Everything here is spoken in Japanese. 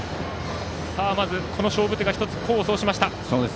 まず、この勝負手が功を奏しました。